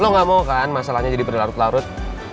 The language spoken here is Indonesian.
lo gak mau kan masalahnya jadi berdarah larut larut